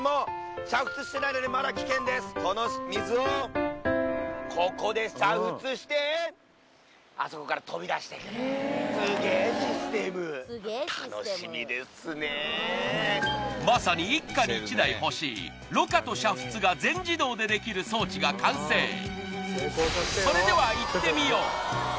しかしこの水をここで煮沸してあそこから飛び出してくるまさに一家に一台欲しいろ過と煮沸が全自動でできる装置が完成それではいってみよう